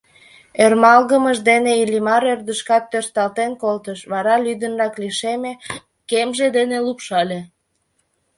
Ӧрмалгымыж дене Иллимар ӧрдыжкат тӧршталтен колтыш, вара лӱдынрак лишеме, кемже дене лупшале.